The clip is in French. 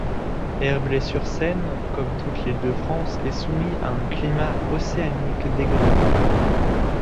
Herblay-sur-Seine, comme toute l'Île-de-France est soumis à un climat océanique dégradé.